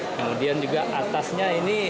kemudian juga atasnya ini